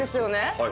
はい。